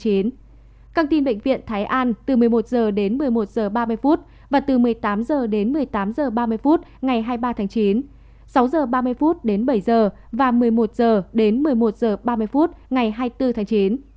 trang tin bệnh viện thái an từ một mươi một h đến một mươi một h ba mươi và từ một mươi tám h đến một mươi tám h ba mươi phút ngày hai mươi ba tháng chín sáu h ba mươi phút đến bảy h và một mươi một h đến một mươi một h ba mươi phút ngày hai mươi bốn tháng chín